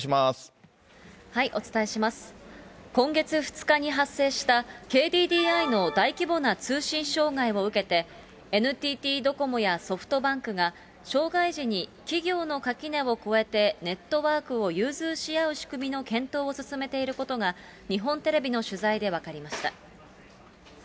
今月２日に発生したＫＤＤＩの大規模な通信障害を受けて、ＮＴＴドコモやソフトバンクが、障害時に企業の垣根を越えてネットワークを融通し合う仕組みの検討を進めていることが、日本テレビの取材で分かりました。